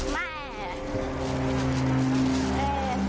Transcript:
แม่